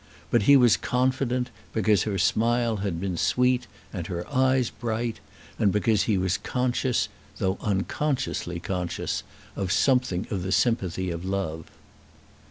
But he was confident because her smile had been sweet, and her eyes bright, and because he was conscious, though unconsciously conscious, of something of the sympathy of love.